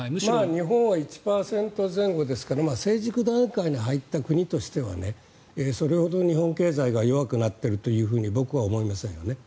日本は１％前後ですから成熟段階に入った国としてはそれほど日本経済が弱くなっているというふうに僕は思いませんよね。